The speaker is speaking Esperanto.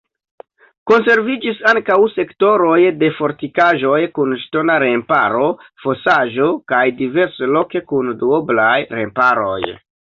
Konserviĝis ankaŭ sektoroj de fortikaĵoj kun ŝtona remparo, fosaĵo kaj diversloke kun duoblaj remparoj.